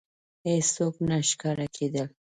هېڅوک نه ښکاره کېدل.